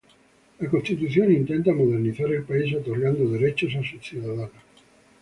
La constitución intenta modernizar el país otorgando derechos a sus ciudadanos.